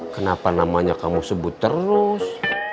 kenapa namanya kamu sebut terus